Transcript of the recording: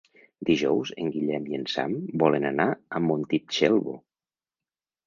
Dijous en Guillem i en Sam volen anar a Montitxelvo.